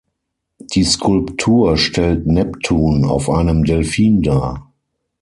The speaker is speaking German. Die Skulptur stellt Neptun auf einem Delfin dar.